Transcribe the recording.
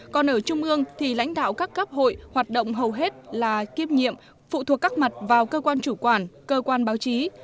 còn ở trung ương thì lãnh đạo các cấp hội hoạt động hầu hết là kiếp nhiệm phụ thuộc các mặt vào cơ quan chủ quản cơ quan báo chí